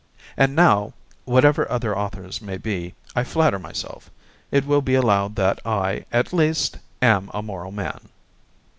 And now, whatever other authors may be, I flatter myself, it will be allowed that I, at least, am a moral man.